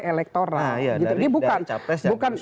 elektoral jadi bukan